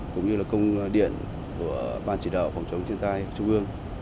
cũng như công điện của ban chỉ đạo phòng chống thiên tài trung ương